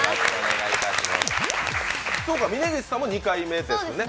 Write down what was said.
峯岸さんも２回目ですね。